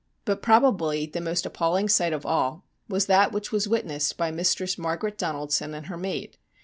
But probably the most appalling sight of all was that which was witnessed by Mistress Margaret Donaldson and her maid.